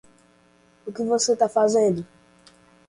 O que você tá fazendo?